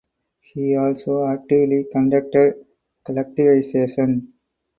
He also actively conducted collectivization.